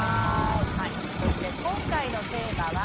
そして今回のテーマは。